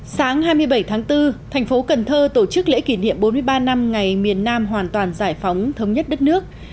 sáng hai mươi bảy tháng bốn thành phố cần thơ tổ chức lễ kỷ niệm bốn mươi ba năm ngày miền nam hoàn toàn giải phóng thống nhất đất nước